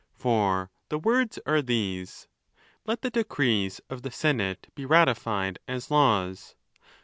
For the words are these,—Let the decrees of the senate be ratified as laws.